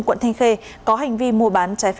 quận thanh khê có hành vi mua bán trái phép